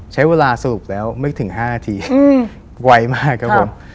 ใช้เวลาสรุปแล้วไม่ถึง๕นาทีไวมากครับผม